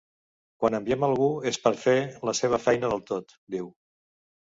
Quan enviem algú és per fer la seva feina del tot, diu.